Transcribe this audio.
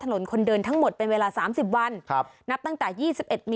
เท่าก่อนได้ใช้ร่างหางของทางสังคม